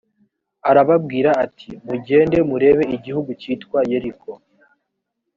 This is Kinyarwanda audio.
arababwira ati «mugende murebe igihugu cya yeriko.»